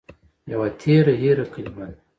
يوه تېره هېره کلمه ده